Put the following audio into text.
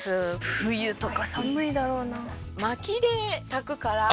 冬とか寒いだろうな